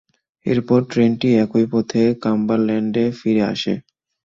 এরপর ট্রেনটি একই পথে কাম্বারল্যান্ডে ফিরে আসে।